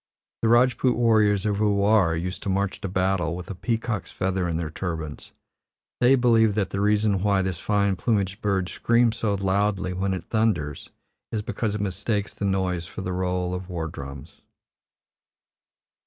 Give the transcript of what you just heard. The Rajput warriors of Ulwar used to march to battle with a peacock's feather in their turbans; they believe that the reason why this fine plumaged bird screams so loudly when it thunders is because it mistakes the noise for the roll of war drums.